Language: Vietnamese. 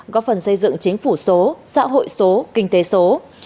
góp phần xây dựng chính phủ số xã hội số kinh tế số